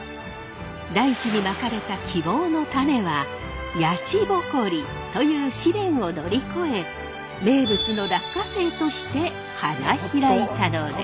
大地にまかれた希望の種はやちぼこりという試練を乗り越え名物の落花生として花開いたのです。